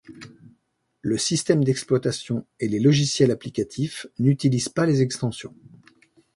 Le système d'exploitation et les logiciels applicatifs n'utilisent pas les extensions.